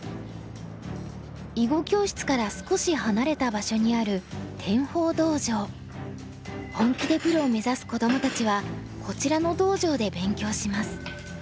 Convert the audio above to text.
囲碁教室から少し離れた場所にある本気でプロを目指す子どもたちはこちらの道場で勉強します。